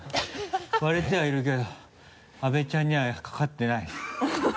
割れてはいるけど阿部ちゃんにはかかってない。